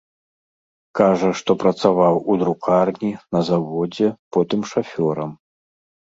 Кажа, што працаваў у друкарні, на заводзе, потым шафёрам.